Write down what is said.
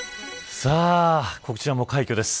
さあ、こちらも快挙です。